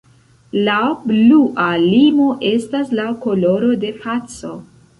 La blua limo estas la koloro de paco.